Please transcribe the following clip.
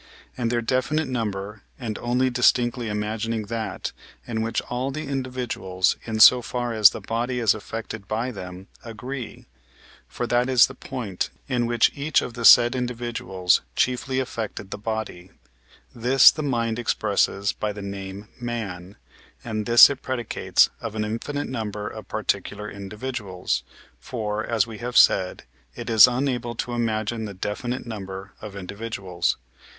and their definite number, and only distinctly imagining that, in which all the individuals, in so far as the body is affected by them, agree; for that is the point, in which each of the said individuals chiefly affected the body; this the mind expresses by the name man, and this it predicates of an infinite number of particular individuals. For, as we have said, it is unable to imagine the definite number of individuals.